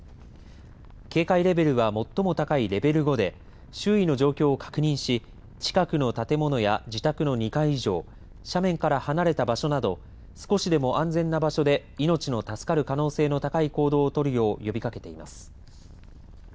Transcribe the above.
警戒レベルは最も高いレベル５で周囲の状況を確認し近くの建物や自宅の２階以上斜面から離れた場所など少しでも安全な場所で命の助かる可能性の高い行動を取るよう呼びかけています。